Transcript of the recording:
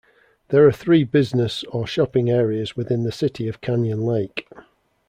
There are three business or shopping areas within the City of Canyon Lake.